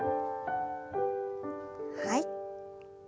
はい。